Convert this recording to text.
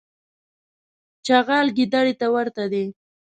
چغال ګیدړي ته ورته دی.